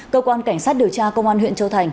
cơ quan cảnh sát điều tra công an huyện châu thành